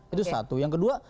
itu satu yang kedua